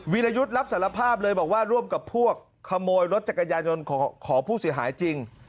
รยุทธ์รับสารภาพเลยบอกว่าร่วมกับพวกขโมยรถจักรยานยนต์ของผู้เสียหายจริง